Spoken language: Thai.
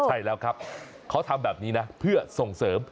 ใช่แล้วครับเขาทำแบบนี้นะเพื่อส่งเสริม